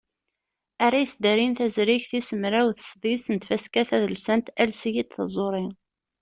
Ara yesdarin tazrigt tis mraw d sḍiset n tfaska tadelsant "Ales-iyi-d taẓuri".